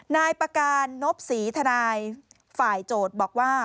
นายประการนบศรีทนายฝ่ายโจทย์บอกว่า